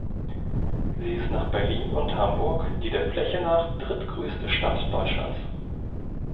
Sie ist nach Berlin und Hamburg die der Fläche nach drittgrößte Stadt Deutschlands.